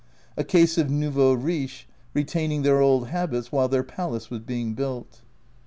A case of nouveau riche retaining their old habits while their palace was being built.